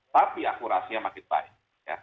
tapi akurasinya makin baik